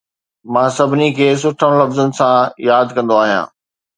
مان سڀني کي سٺن لفظن سان ياد ڪندو آهيان